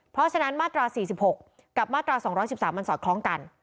เพราะฉะนั้นมาตรา๔๖กับมาตรา๒๑๓มันสอดคล้องกัน